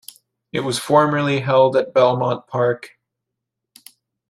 It was formerly held at Belmont Park.